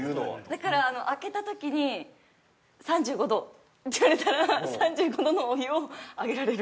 ◆だから、開けたときに３５度って言われたら３５度のお湯をあげられる。